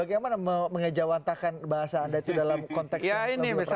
ini gimana bagaimana mengejawatakan bahasa anda itu dalam konteks yang lebih personal